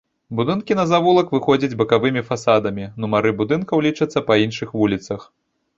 Будынкі на завулак выходзяць бакавымі фасадамі, нумары будынкаў лічацца па іншых вуліцах.